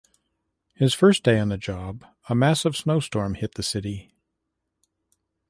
His first day on the job a massive snow storm hit the city.